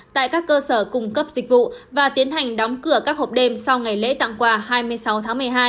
tại các cơ sở cung cấp dịch vụ và tiến hành đóng cửa các hộp đêm sau ngày lễ tặng quà hai mươi sáu tháng một mươi hai